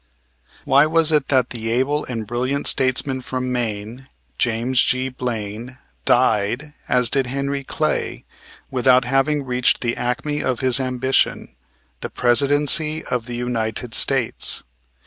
Why was it that the able and brilliant statesman from Maine, James G. Blaine, died, as did Henry Clay, without having reached the acme of his ambition, the Presidency of the United States?